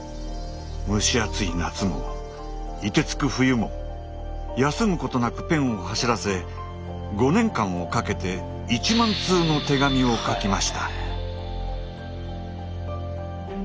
蒸し暑い夏も凍てつく冬も休むことなくペンを走らせ５年間をかけて１万通の手紙を書きました。